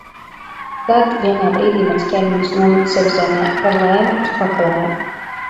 Tad vienā brīdī mans ķermenis nometa sevi zemē, par laimi, uz paklāja.